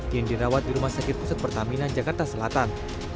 yang dirawat di rumah sakit pusat pertamina jakarta selatan